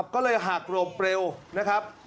ก็เลยหักโรงเปรียวนะครับ